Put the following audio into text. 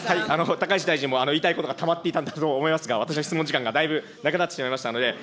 高市大臣も言いたいことがたまっていたんだろうと思いますが、私の質問時間がだいぶなくなってしまいましたので。